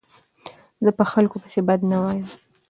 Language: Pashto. زه په خلکو پيسي بد نه وایم.